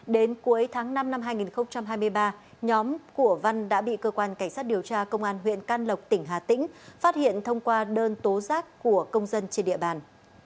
đến cuối tháng năm năm hai nghìn hai mươi ba nhóm của văn đã bị cơ quan cảnh sát điều tra công an huyện can lộc tỉnh hà tĩnh phát hiện thông qua đơn tố giác của công dân trên địa bàn